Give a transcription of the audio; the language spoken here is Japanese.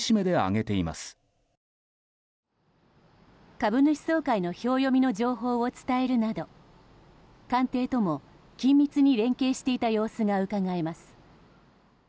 株主総会の票読みの情報を伝えるなど官邸とも緊密に連携していた様子がうかがえます。